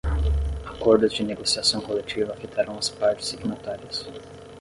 Acordos de negociação coletiva afetarão as partes signatárias.